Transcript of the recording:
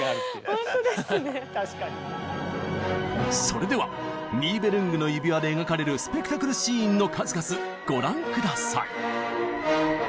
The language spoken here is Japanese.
それでは「ニーベルングの指環」で描かれるスペクタクルシーンの数々ご覧下さい。